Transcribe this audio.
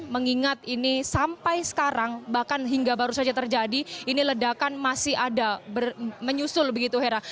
mengingat ini sampai sekarang bahkan hingga baru saja terjadi ini ledakan masih ada menyusul begitu hera